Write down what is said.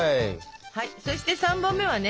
そして３本目はね。